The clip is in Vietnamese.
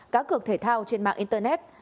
cá cược thể thao trên mạng internet